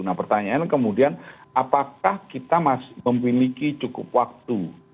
nah pertanyaan kemudian apakah kita memiliki cukup waktu